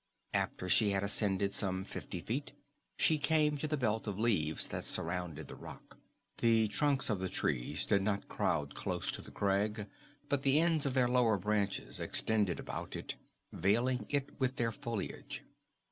After she had ascended some fifty feet she came to the belt of leaves that surrounded the rock. The trunks of the trees did not crowd close to the crag, but the ends of their lower branches extended about it, veiling it with their foliage.